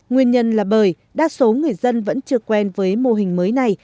nguyên nhân là bởi đa số người dân vẫn chưa quen với mô hình mới này